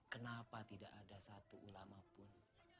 kenapa tidak ada satu ulama pun